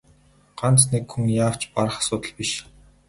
Ганц нэг хүний яавч барах асуудал биш.